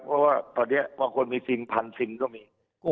เพราะว่าตอนนี้มองควรมีสินพันสินก็มี